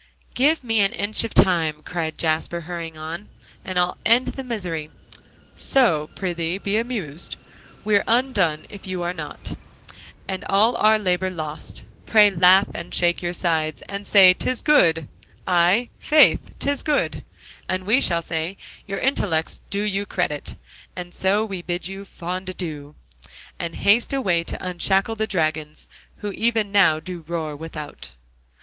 "Give me an inch of time," cried Jasper, hurrying on, "and I'll end the misery: "'So prithee, be amused; We're undone, if you are not, And all our labor lost. Pray laugh, and shake your sides, And say "'tis good; I' faith, 'tis very good." And we shall say "Your intellects do you credit." And so we bid you a fond adieu, And haste away to unshackle the dragons, Who even now do roar without.'"